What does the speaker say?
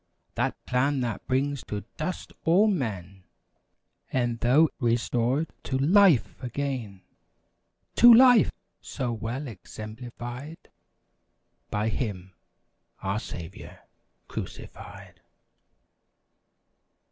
That plan that brings to dust all men. E'en though restored to LIFE again!" To LIFE! So well exemplified By Him—our Saviour, crucified!